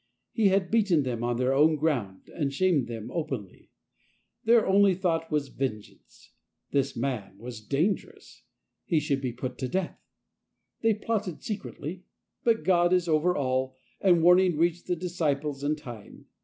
He had beaten them on their own ground and shamed them openly; their only thought was vengeance. This man was dangerous ; he should be put to death. They plotted secretly ; but God is over all, and warning reached the disciples in time.